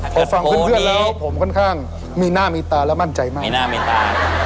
พอฟังเพื่อนแล้วผมค่อนข้างมีหน้ามีตาและมั่นใจมาก